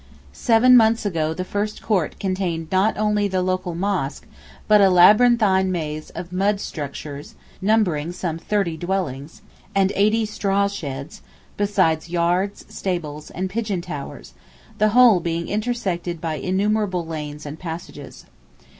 Seven months ago the first court contained not only the local mosque, but a labyrinthine maze of mud structures, numbering some thirty dwellings, and eighty strawsheds, besides yards, stables, and pigeon towers, the whole being intersected by innumerable lanes and passages.